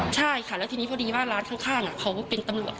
ใช่ค่ะแล้วทีนี้พอดีว่าร้านข้างเขาเป็นตำรวจ